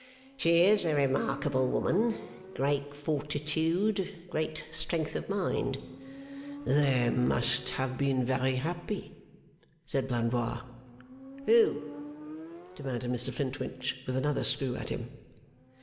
'She is a remarkable woman. Great fortitude great strength of mind.' 'They must have been very happy,' said Blandois. 'Who?' demanded Mr Flintwinch, with another screw at him.